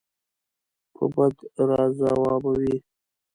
په بد راځوابوي.